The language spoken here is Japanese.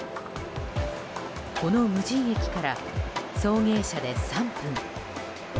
この無人駅から送迎車で３分。